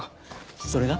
それが？